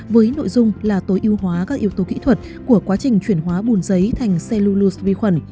với nội dung là tối ưu hóa các yếu tố kỹ thuật của quá trình chuyển hóa bùn giấy thành cellulos vi khuẩn